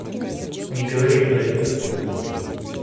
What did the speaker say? Не говори про это.